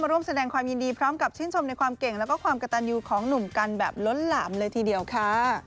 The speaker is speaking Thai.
ร่วมแสดงความยินดีพร้อมกับชื่นชมในความเก่งแล้วก็ความกระตันยูของหนุ่มกันแบบล้นหลามเลยทีเดียวค่ะ